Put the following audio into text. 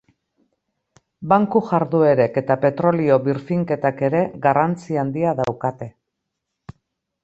Banku jarduerek eta petrolio birfinketak ere garrantzi handia daukate.